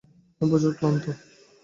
আমি প্রচুর ক্লান্ত।